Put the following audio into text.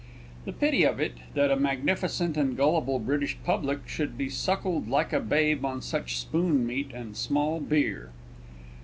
The pity of it, that a magnificent and gullible British Public should be suckled like a babe on such spoonmeat and small beer!